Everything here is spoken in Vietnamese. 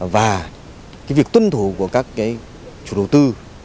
và cái việc tuân thủ của các cái chủ đầu tư